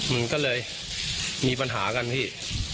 มันก็เลยมีปัญหากันพี่